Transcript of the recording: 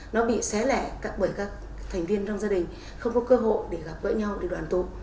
nó bị xé lẻ bởi các thành viên trong gia đình không có cơ hội để gặp gỡ nhau để đoàn tụ